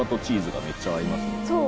そう！